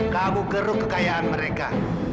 kamu geruk kekayaan mereka